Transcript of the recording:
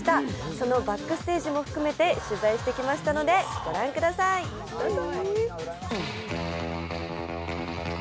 そのバックステージも含めて取材してきましたので、ご覧ください、どうぞ！